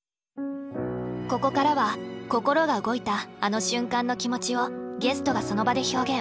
ここからは心が動いたあの瞬間の気持ちをゲストがその場で表現。